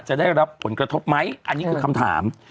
จะได้รับผลกระทบไหมอันนี้คือคำถาม